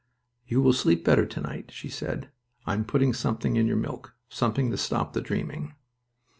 "You will sleep better to night," she said. "I am putting something in your milk. Something to stop the dreaming."